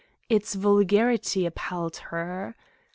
Its vulgarity appalled her.